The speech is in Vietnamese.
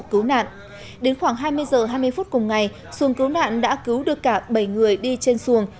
cứu nạn đến khoảng hai mươi h hai mươi phút cùng ngày xuồng cứu nạn đã cứu được cả bảy người đi trên xuồng